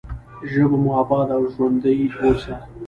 ژبه مو اباده او ژوندۍ اوسه.